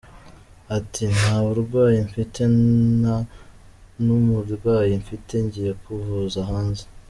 Ati “Nta burwayi mfite nta n’umurwayi mfite ngiye kuvuza hanze.